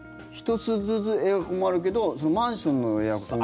１つずつエアコンもあるけどマンションのエアコン。